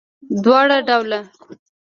دواړه ډوله